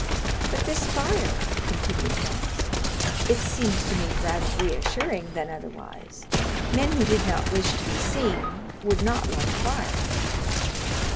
"But this fire?" continued Franz. "It seems to me rather reassuring than otherwise; men who did not wish to be seen would not light a fire."